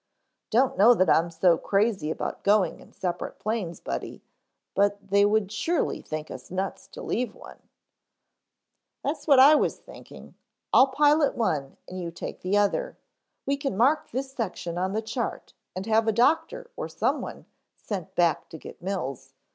"Don't know that I'm so crazy about going in separate planes, Buddy, but they would surely think us nuts to leave one." "That's what I was thinking. I'll pilot one and you take the other. We can mark this section on the chart and have a doctor or someone sent back to get Mills.